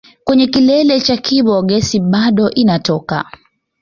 Kwenye kilele cha Kibo gesi bado inatoka